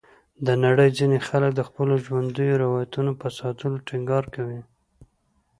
د نړۍ ځینې خلک د خپلو ژوندیو روایتونو په ساتلو ټینګار کوي.